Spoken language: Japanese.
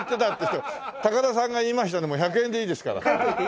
「高田さんが言いました」でもう１００円でいいですから。